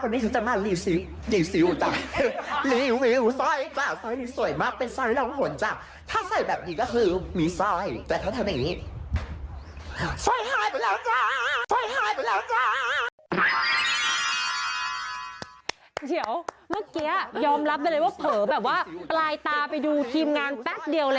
เดี๋ยวเมื่อกี้ยอมรับไปเลยว่าเผลอแบบว่าปลายตาไปดูทีมงานแป๊บเดียวแล้ว